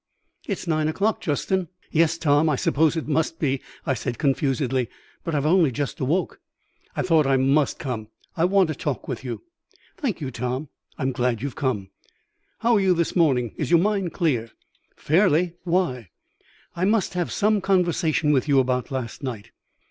"It's nine o'clock, Justin." "Yes, Tom, I suppose it must be," I said confusedly; "but I have only just awoke." "I thought I must come; I want to talk with you." "Thank you, Tom; I am glad you have come." "How are you this morning? Is your mind clear?" "Fairly. Why?" "I must have some conversation with you about last night.